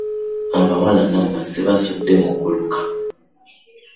Abawala nammwe ssibasudde muguluka.